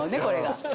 これが。